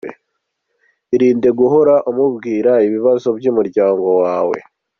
Irinde guhora umubwira ibibazo by’umuryango wawe.